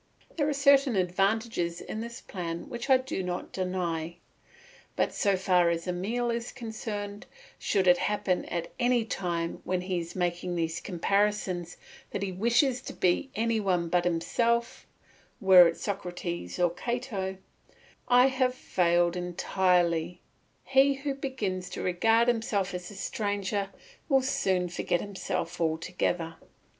There are certain advantages in this plan which I do not deny; but, so far as Emile is concerned, should it happen at any time when he is making these comparisons that he wishes to be any one but himself were it Socrates or Cato I have failed entirely; he who begins to regard himself as a stranger will soon forget himself altogether.